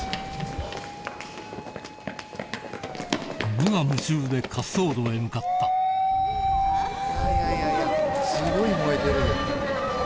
無我夢中で滑走路へ向かったすごい燃えてるよ。